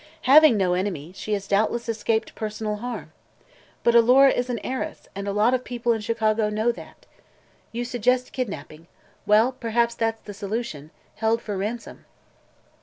Having no enemy, she has doubtless escaped personal harm. But Alora is an heiress, and a lot of people in Chicago know that. You suggest kidnapping. Well, perhaps that's the solution: held for ransom."